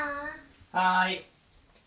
はい。